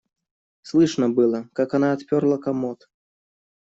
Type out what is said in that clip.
Слышно было, как она отперла комод.